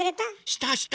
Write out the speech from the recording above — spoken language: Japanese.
したした！